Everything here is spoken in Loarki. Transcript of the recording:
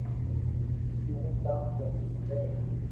مني ڪاو ڪرووُ کپي